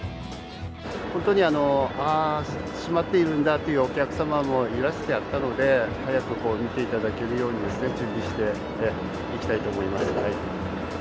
本当に、ああしまっているんだというお客様もいらっしゃったので、早く見ていただけるように準備していきたいと思います。